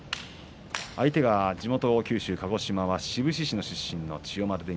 相手は地元九州鹿児島志布志市出身の千代丸。